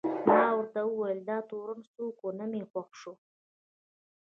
ما ورته وویل: دا تورن څوک و؟ نه مې خوښ شو.